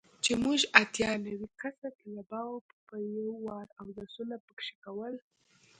چې موږ اتيا نوي کسه طلباو به په يو وار اودسونه پکښې کول.